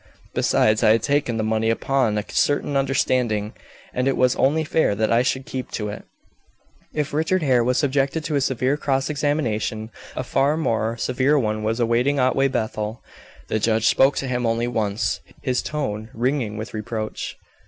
Besides, I had taken the money upon a certain understanding, and it was only fair that I should keep to it." If Richard Hare was subjected to a severe cross examination, a far more severe one was awaiting Otway Bethel. The judge spoke to him only once, his tone ringing with reproach.